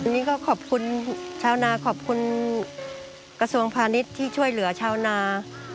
นี่ก็ขอบคุณชาวนาขอบคุณกระทรวงพาณิชย์ที่ช่วยเหลือชาวนา